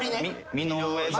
・身の上話。